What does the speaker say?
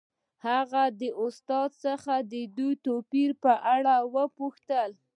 هغه له استاد څخه د دې توپیر په اړه وپوښتل